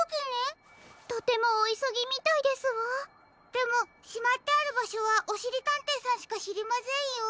でもしまってあるばしょはおしりたんていさんしかしりませんよ。